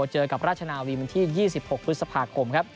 เจอกับราชนาวีวันที่๒๖พฤษภาคมครับ